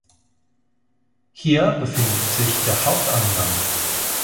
Hier befindet sich der Haupteingang.